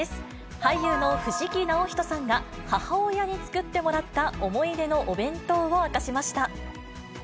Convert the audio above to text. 俳優の藤木直人さんが、母親に作ってもらった思い出のお弁当を明かしました。